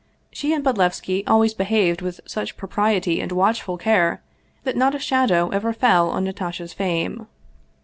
She and Bodlevski always be haved with such propriety and watchful care that not a shadow ever fell on Natasha's fame.